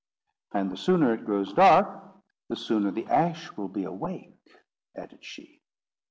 "And the sooner it grows dark, the sooner the Ash will be awake," added she.